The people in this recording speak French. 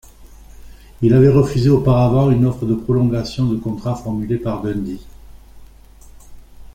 Il avait refusé auparavant une offre de prolongation de contrat formulée par Dundee.